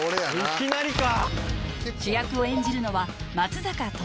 いきなりか！